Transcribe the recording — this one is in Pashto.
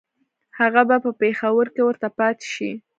هغه به په پېښور کې ورته پاته شي.